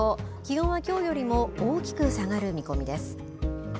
気温は、きょうよりも大きく下がる見込みです。